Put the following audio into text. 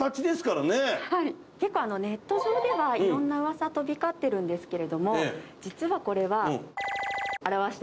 結構ネット上ではいろんな噂飛び交ってるんですけれども実はこれは表してるんです。